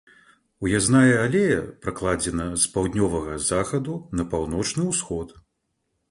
Уязная алея пракладзена з паўднёвага захаду на паўночны ўсход.